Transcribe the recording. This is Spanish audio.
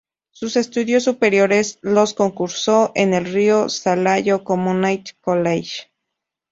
Sus estudios superiores los cursó en el "Rio Salado Community College".